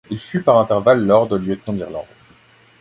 Il fut par intervalles Lord lieutenant d'Irlande.